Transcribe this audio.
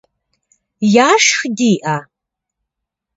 Яшх диӏэ?